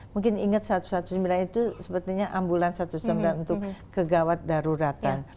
mungkin ingat satu ratus sembilan belas itu sebetulnya ambulans untuk kegawat daruratan